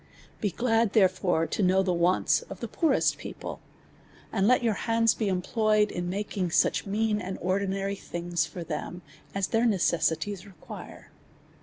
Begird, therefore, to know the wants of the poor est people, and let your hands be employed in making such mean and ordinary things for them, as their ne cessities require.